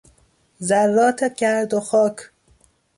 ذرات گرد و خاک